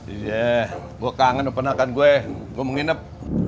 iya gue kangen penakan gue gue mau nginep